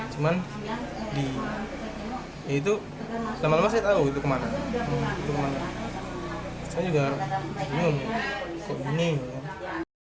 pihak keluarga menuntut agar densus delapan puluh delapan memulihkan nama baik tegar yang telah disiduk dan ditahan densus delapan puluh delapan selama sepuluh jam